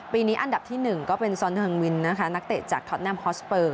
ปีนี้อันดับที่๑ก็เป็นซอนเทิงวินนะคะนักเตะจากท็อตแมมฮอสเปอร์